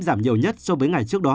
giảm nhiều nhất so với ngày trước đó